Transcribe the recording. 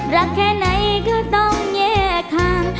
รักแค่ไหนก็ต้องเงียกข้าง